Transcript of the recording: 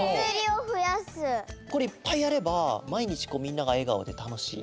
これいっぱいやればまいにちみんながえがおでたのしい。